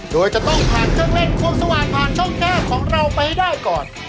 โดยจะต้องผ่านเครื่องเล่นควงสว่างผ่านช่อง๙ของเราไปให้ได้ก่อน